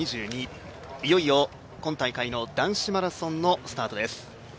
いよいよ今大会の男子マラソンのスタートです。